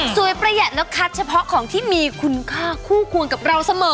ประหยัดแล้วคัดเฉพาะของที่มีคุณค่าคู่ควรกับเราเสมอ